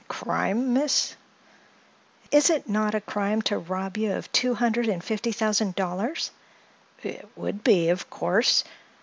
"Crime, miss?" "Is it not a crime to rob you of two hundred and fifty thousand dollars?" "It would be, of course.